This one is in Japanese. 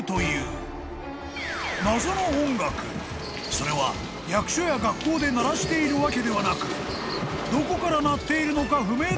［それは役所や学校で鳴らしているわけではなくどこから鳴っているのか不明だという］